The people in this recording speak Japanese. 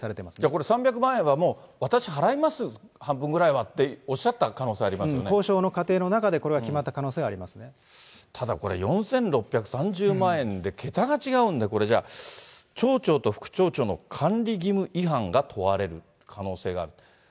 これ、３００万円は、私、払います、半分ぐらいはっておっし交渉の過程の中で、これは決ただこれ、４６３０万円で、桁が違うんで、これ、じゃあ、町長と副町長の管理義務違反が問われる可能性があると。